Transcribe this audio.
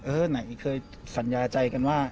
ไหนเคยสัญญาใจกันว่า